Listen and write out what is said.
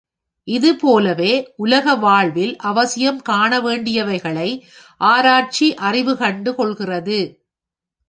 இது போலவே உலக வாழ்வில் அவசியம் காணவேண்டியவைகளை ஆராய்ச்சி அறிவு கண்டு கொள்கிறது.